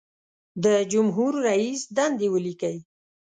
د جمهور رئیس دندې ولیکئ.